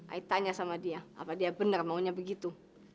ait tanya sama dia apa dia benar maunya begitu